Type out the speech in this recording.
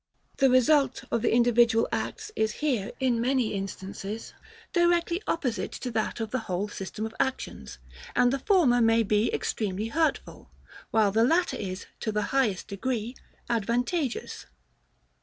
The result of the individual acts is here, in many instances, directly opposite to that of the whole system of actions; and the former may be extremely hurtful, while the latter is, to the highest degree, advantageous.